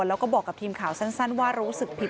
แล้วก็บอกกับทีมข่าวสั้นว่ารู้สึกผิด